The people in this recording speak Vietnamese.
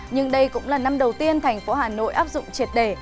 nhưng đây cũng là năm đầu tiên thành phố hà nội áp dụng triệt đề